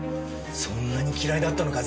そんなに嫌いだったのか？